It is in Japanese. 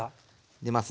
出ますね。